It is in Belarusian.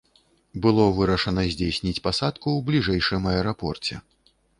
Было вырашана здзейсніць пасадку ў бліжэйшым аэрапорце.